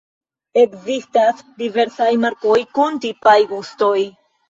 Ekzistas diversaj markoj kun tipaj gustoj.